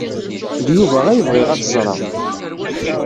D Yuba ay bɣiɣ ad t-ẓreɣ.